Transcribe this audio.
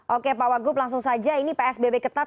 oke pak wagub langsung saja ini psbb ketat